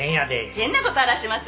変なことあらしません。